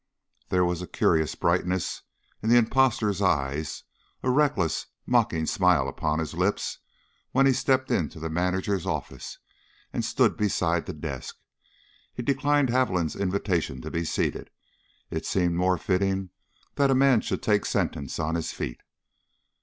There was a curious brightness to the imposter's eyes, a reckless, mocking smile upon his lips, when he stepped into the manager's office and stood beside the desk. He declined Haviland's invitation to be seated it seemed more fitting that a man should take sentence on his feet.